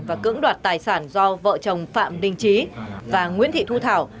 và cưỡng đoạt tài sản do vợ chồng phạm đình trí và nguyễn thị thu thảo